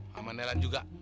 sama nelan juga